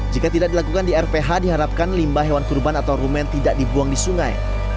jika tidak dilakukan di rph diharapkan limba hewan kurban atau rumen tidak dibuang di sungai